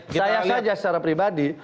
saya saja secara pribadi